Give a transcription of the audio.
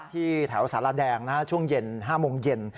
ที่แถวสารแดงช่วงเย็น๕โมงเย็น